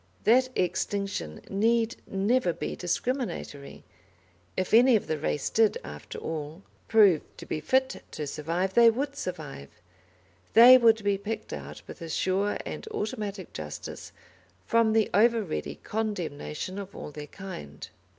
That extinction need never be discriminatory. If any of the race did, after all, prove to be fit to survive, they would survive they would be picked out with a sure and automatic justice from the over ready condemnation of all their kind.